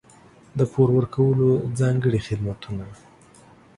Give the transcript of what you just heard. د پور ورکولو ځانګړي خدمتونه.